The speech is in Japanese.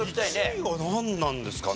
１位はなんなんですかね？